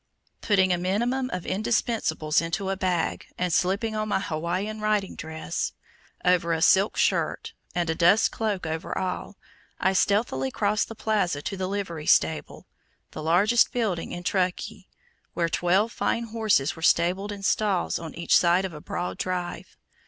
Putting a minimum of indispensables into a bag, and slipping on my Hawaiian riding dress over a silk skirt, and a dust cloak over all, I stealthily crossed the plaza to the livery stable, the largest building in Truckee, where twelve fine horses were stabled in stalls on each side of a broad drive.